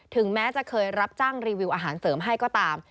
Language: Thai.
แม้จะเคยรับจ้างรีวิวอาหารเสริมให้ก็ตาม